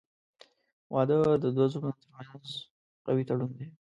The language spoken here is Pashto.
• واده د دوه زړونو ترمنځ قوي تړون دی.